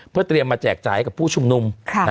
เพื่อเตรียมมาแจกจ่ายให้กับผู้ชุมนุม